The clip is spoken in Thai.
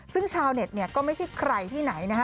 ซึ่งชาวเน็ตเนี่ยก็ไม่ใช่ใครที่ไหนนะฮะ